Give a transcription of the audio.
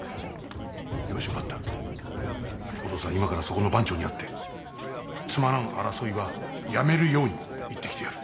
よし分かったお父さん今からそこの番長に会ってつまらん争いはやめるように言って来てやる。